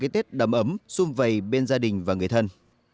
tết đầm ấm xung vầy bên gia đình và người thân